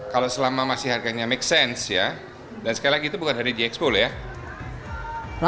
kalau selama masih harganya make sense ya dan sekali lagi itu bukan hari g expo ya